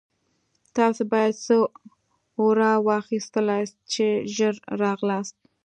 تاسې بیا څه اورا واخیستلاست چې ژر راغلاست.